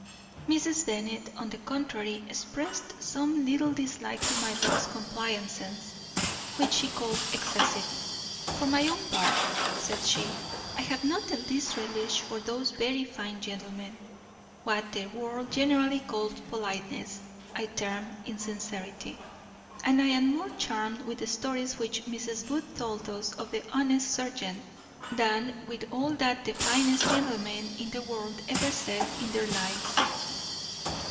Mrs. Bennet, on the contrary, exprest some little dislike to my lord's complaisance, which she called excessive. "For my own part," said she, "I have not the least relish for those very fine gentlemen; what the world generally calls politeness, I term insincerity; and I am more charmed with the stories which Mrs. Booth told us of the honest serjeant than with all that the finest gentlemen in the world ever said in their lives!"